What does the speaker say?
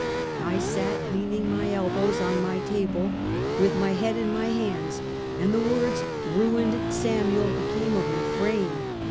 " I sat leaning my elbows on my table with my head in my hands, and the words " ruined Samuel " be came a refrain.